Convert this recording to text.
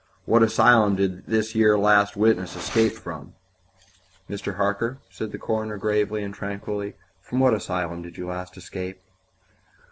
"What asylum did this yer last witness escape from?" "Mr. Harker," said the coroner, gravely and tranquilly, "from what asylum did you last escape?"